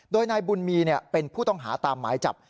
โดยนายบุญมีเป็นผู้ต้องหาตามหมายจับ